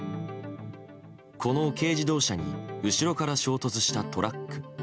この軽自動車に後ろから衝突したトラック。